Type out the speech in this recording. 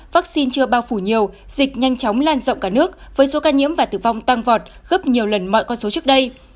với số ca nhiễm và tử vong tăng vọt gấp nhiều lần mọi con số trước đây